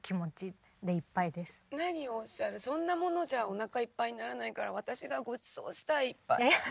何をおっしゃるそんなものじゃおなかいっぱいにならないから私がごちそうしたいいっぱい。